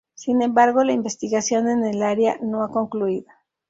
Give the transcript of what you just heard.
Sin embargo, la investigación en el área no ha concluido.